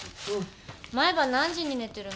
毎晩何時に寝てるの？